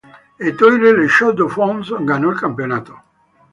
Etoile La Chaux-de-Fonds ganó el campeonato.